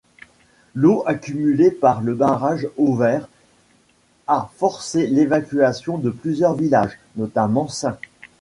L'eau accumulée par le barrage Hoover a forcé l'évacuation de plusieurs villages, notamment St.